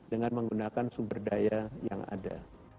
dengan menggunakan sumber daya yang ada